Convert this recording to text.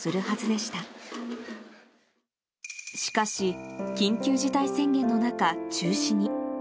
しかし、緊急事態宣言の中、中止に。